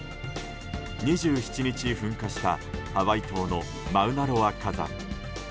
２７日噴火したハワイ島のマウナロア火山。